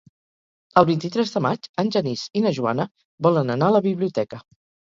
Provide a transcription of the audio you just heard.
El vint-i-tres de maig en Genís i na Joana volen anar a la biblioteca.